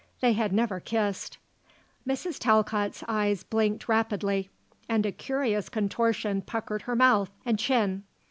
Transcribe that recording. They had never kissed. Mrs. Talcott's eyes blinked rapidly, and a curious contortion puckered her mouth and chin.